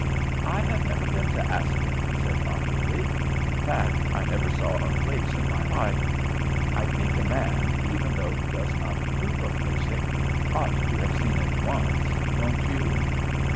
"I have never been to Ascot," he said, awkwardly "in fact I never saw a race in my life. I think a man, even though he does not approve of racing, ought to have seen it once don't you?"